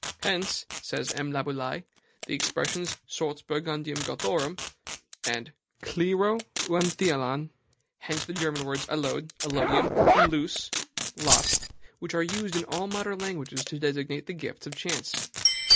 "Hence," says M. Laboulaye, "the expressions sortes Burgundiorum Gothorum and {GREEK, ' k }; hence the German words allod, allodium, and loos, lot, which are used in all modern languages to designate the gifts of chance."